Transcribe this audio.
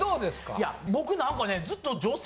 いや僕何かね。